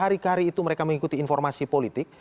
hari ke hari itu mereka mengikuti informasi politik